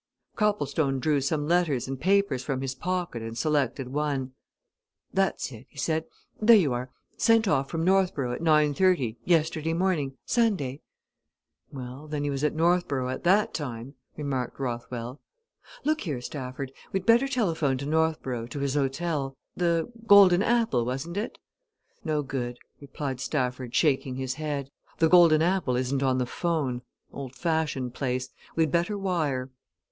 Copplestone drew some letters and papers from his pocket and selected one. "That's it," he said. "There you are sent off from Northborough at nine thirty, yesterday morning Sunday." "Well, then he was at Northborough at that time," remarked Rothwell. "Look here, Stafford, we'd better telephone to Northborough, to his hotel. The 'Golden Apple,' wasn't it?" "No good," replied Stafford, shaking his head. "The 'Golden Apple' isn't on the 'phone old fashioned place. We'd better wire."